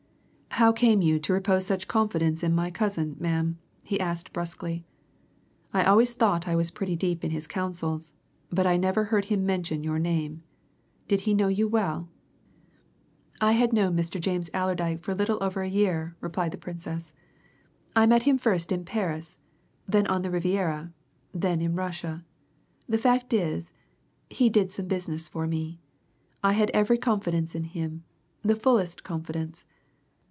"How came you to repose such confidence in my cousin, ma'am?" he asked brusquely. "I always thought I was pretty deep in his counsels, but I never heard him mention your name. Did he know you well?" "I had known Mr. James Allerdyke for a little over a year," replied the Princess. "I met him first in Paris then on the Riviera then in Russia. The fact is, he did some business for me. I had every confidence in him the fullest confidence.